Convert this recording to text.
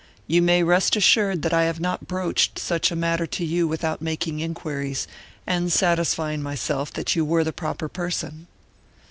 "You may rest assured that I have not broached such a matter to you without making inquiries, and satisfying myself that you were the proper person."